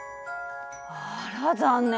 あら残念！